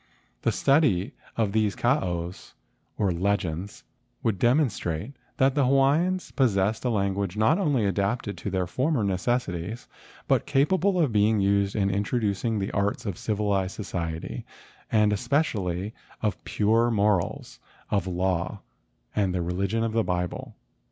The study of these kaaos or legends would demonstrate that the Hawaiians possessed a language not only adapted to their former necessities but capable of being used in introducing the arts of civilized society and especially of pure morals, of law, and the religion of the Bible."